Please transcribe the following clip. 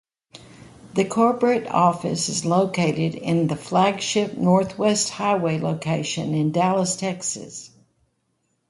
The corporate office is located in the flagship Northwest Highway location in Dallas, Texas.